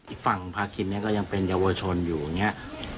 อีกฝั่งพาคินเนี่ยก็ยังเป็นเยาวชนอยู่อย่างนี้